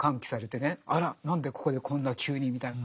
あら何でここでこんな急にみたいな。